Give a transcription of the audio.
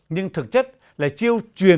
nhưng thực chất là chiêu truyền